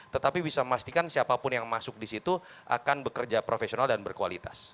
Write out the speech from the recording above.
tetapi bisa memastikan siapapun yang masuk di situ akan bekerja profesional dan berkualitas